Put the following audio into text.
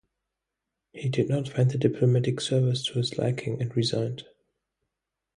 He did not find the diplomatic service to his liking, and resigned.